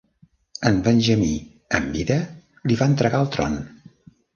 En Benjamí, en vida, li va entregar el tron.